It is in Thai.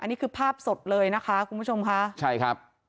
นี่คือภาพสดเลยนะคะคุณผู้ชมค่ะใช่ครับ